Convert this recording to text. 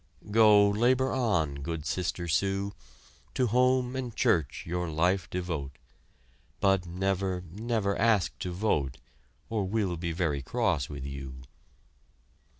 Go, labor on, good sister Sue, To home and church your life devote; But never, never ask to vote, Or we'll be very cross with you!